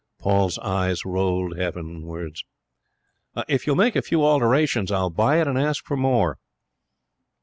Paul's eyes rolled heavenwards. 'If you'll make a few alterations, I'll buy it and ask for more.'